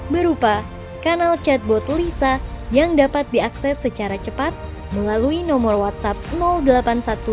berupa kanal chatbot lisa yang dapat diakses secara cepat melalui nomor whatsapp delapan puluh satu satu ratus tiga puluh satu satu ratus tiga puluh satu satu ratus tiga puluh satu